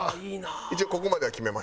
一応ここまでは決めました。